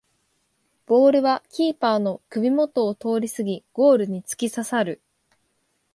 ボールはキーパーの首もとを通りすぎゴールにつきささる